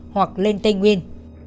hoặc lên tây nguyên